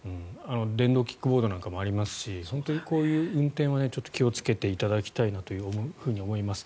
電動キックボードなんかもありますしこういう運転は気をつけていただきたいと思います。